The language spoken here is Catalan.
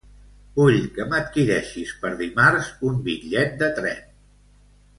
Vull que m'adquireixis per dimarts un bitllet de tren.